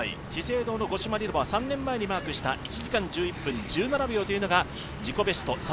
資生堂の五島莉乃は３年前にマークした１時間１１分１７秒というのが自己ベスト。